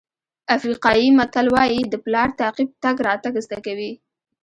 افریقایي متل وایي د پلار تعقیب تګ راتګ زده کوي.